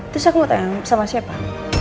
terus aku mau tanya sama siapa